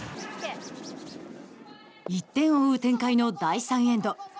１点を追う、展開の第３エンド。